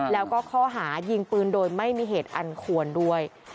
แล้วก็ข้อหายิงปืนโดยไม่มีเหตุอันควรด้วย